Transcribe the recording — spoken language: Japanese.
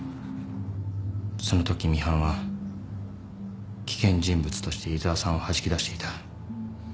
そのときミハンは危険人物として井沢さんをはじき出していた。